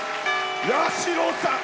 八代さん。